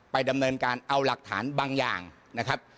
ดำเนินการเอาหลักฐานบางอย่างนะครับ